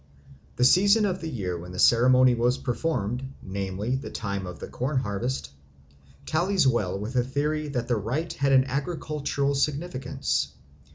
The season of the year when the ceremony was performed, namely the time of the corn harvest, tallies well with the theory that the rite had an agricultural significance.